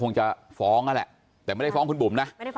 ลองฟังเสียงช่วงนี้ดูค่ะ